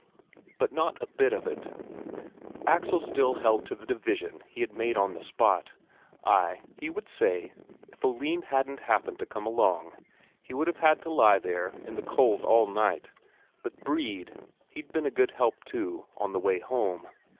But not a bit of it Axel still held to the division he had made on the spot. Ay, he would say, if Oline hadn't happened to come along, he would have had to lie out there in the cold all night; but Brede, he'd been a good help too, on the way home.